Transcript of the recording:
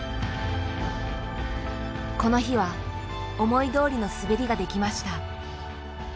この日は思いどおりの滑りができました。